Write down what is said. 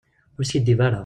Ur skiddib ara.